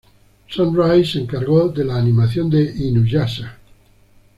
Sunrise se encargó de la animación de Inuyasha.